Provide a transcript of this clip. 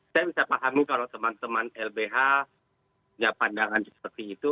saya bisa pahami kalau teman teman lbh punya pandangan seperti itu